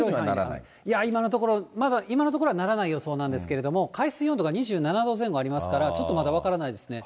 いや、今のところ、まだ今のところならない予想なんですけれども、海水温度が２７度前後ありますから、ちょっとまだ分からないですね。